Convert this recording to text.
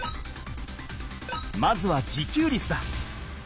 まずは自給率だ。